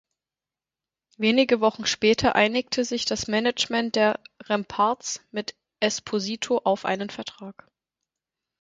Wenige Wochen später einigte sich das Management der Remparts mit Esposito auf einen Vertrag.